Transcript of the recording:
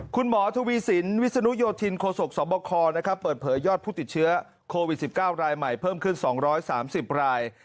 คุณหมอทวีสินวิศนุโยธินโคศกสบคเปิดเผยยอดผู้ติดเชื้อโควิด๑๙รายใหม่เพิ่มขึ้น๒๓๐ราย